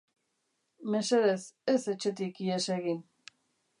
Mesedez, ez etxetik ihes egin.